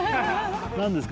何ですか？